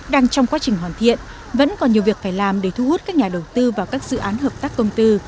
đang trong quá trình hoàn thiện vẫn còn nhiều việc phải làm để thu hút các nhà đầu tư vào các dự án hợp tác công tư